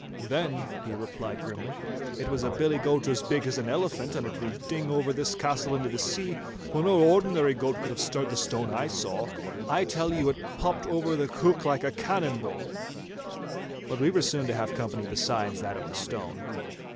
'Then,' he replied grimly, 'it was a billy goat as big as an elephant, and it will ding over this castle into the sea, for no ordinary goat could have stirred the stone I saw; I tell you it popped over the heuch like a cannon ball.' But we were soon to have other company besides that of the stone.